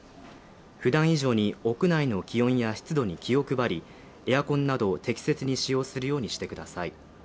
ふだん以上に屋内の気温や湿度に気を配り、エアコンなどを適切に使用するようにしてください。